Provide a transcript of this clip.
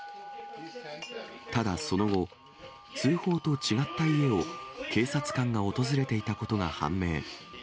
ただその後、通報と違った家を警察官が訪れていたことが判明。